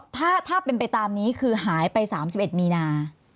ถ้าเป็นไปตามนี้คือหายไป๓๑มีนา